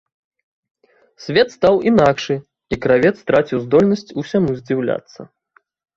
Свет стаў інакшы, і кравец страціў здольнасць усяму здзіўляцца.